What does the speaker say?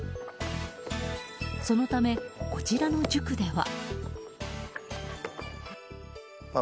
そのため、こちらの塾では。